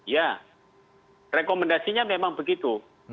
ya rekomendasinya memang begitu